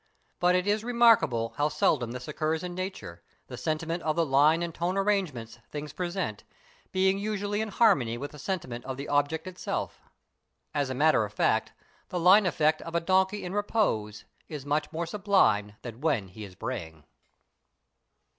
But it is remarkable how seldom this occurs in nature, the sentiment of the line and tone arrangements things present being usually in harmony with the sentiment of the object itself. As a matter of fact, the line effect of a donkey in repose is much more sublime than when he is braying.